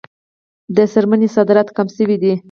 د څرمنې صادرات کم شوي دي